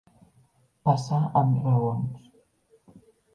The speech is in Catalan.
Passar amb raons.